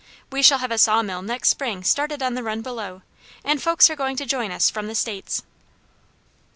We shall have a saw mill next spring started on the run below, and folks are going to join us from the States."